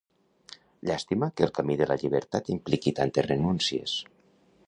Llàstima que el camí de la llibertat impliqui tantes renúncies.